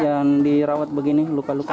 yang dirawat begini luka luka